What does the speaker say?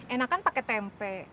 enak kan pake tempe